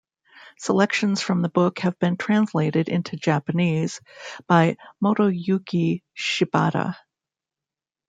Selections from the book have been translated into Japanese by Motoyuki Shibata.